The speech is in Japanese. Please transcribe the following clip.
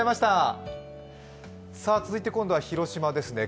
続いては今度は広島ですね。